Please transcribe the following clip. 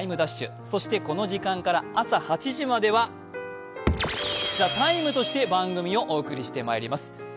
そしてこの時間から朝８時までは「ＴＨＥＴＩＭＥ，」として番組をお送りしてまいります。